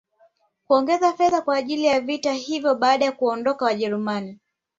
kuongeza fedha kwa ajili ya vita hivyo Baada ya kuondoka wajerumani